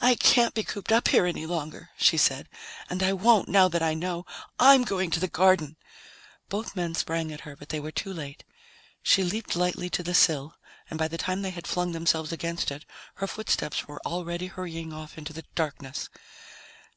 "I can't be cooped up here any longer," she said. "And I won't, now that I know. I'm going to the garden." Both men sprang at her, but they were too late. She leaped lightly to the sill, and by the time they had flung themselves against it, her footsteps were already hurrying off into the darkness.